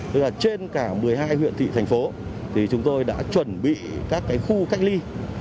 tức là trên cả một mươi hai huyện thị thành phố thì chúng tôi đã chuẩn bị các khu cách ly